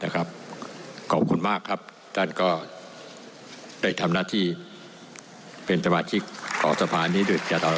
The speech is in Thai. ขอบคุณมากครับท่านก็ได้ทำหน้าที่เป็นสมาชิกของสภานี้โดยตลอด